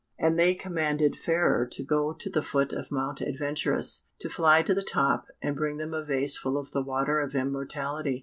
And they commanded Fairer to go to the foot of Mount Adventurous, to fly to the top, and bring them a vase full of the water of immortality.